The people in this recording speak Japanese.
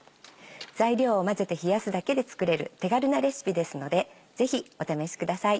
材料を混ぜて冷やすだけで作れる手軽なレシピですのでぜひお試しください。